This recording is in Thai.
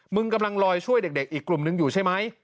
กำลังลอยช่วยเด็กอีกกลุ่มนึงอยู่ใช่ไหม